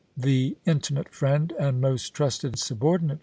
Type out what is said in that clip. the intimate friend and most trusted subordinate B^sn w.